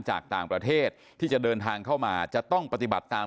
จากต่างประเทศที่จะเดินทางเข้ามาจะต้องปฏิบัติตาม